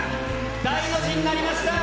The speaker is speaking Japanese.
大の字になりました。